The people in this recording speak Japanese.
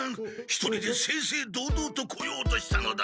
一人で正々堂々と来ようとしたのだが！